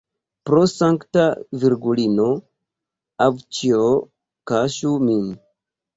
Pro Sankta Virgulino, avĉjo, kaŝu min!